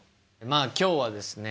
まあ今日はですね